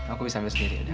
aku bisa ambil sendiri